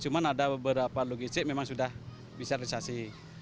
cuma ada beberapa logistik memang sudah bisa realisasi